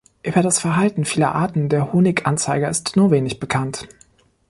Über das Verhalten vieler Arten der Honiganzeiger ist nur wenig bekannt.